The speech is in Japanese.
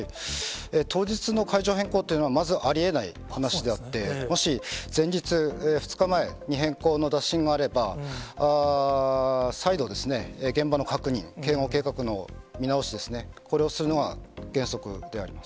当日の会場変更というのは、まず、ありえない話であって、もし前日、２日前に変更の打診があれば、再度ですね、現場の確認、警護計画の見直しですね、これをするのが原則であります。